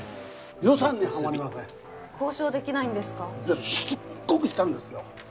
予算にハマりません交渉できないんですかいやしつっこくしたんですよ